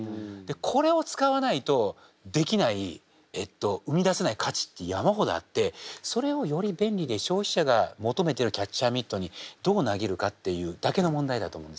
これを使わないとできない生み出せない価値って山ほどあってそれをより便利で消費者が求めてるキャッチャーミットにどう投げるかっていうだけの問題だと思うんですよ。